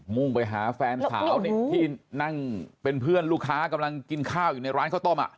มุ่งไปหาแฟนสาวที่นั่งเป็นเพื่อนลูกค้ากำลังกินข้าวอยู่ในร้านข้าวต้ม